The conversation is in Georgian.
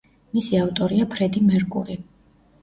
მისი ავტორია ფრედი მერკური.